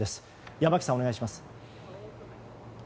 山木さん、お願いします。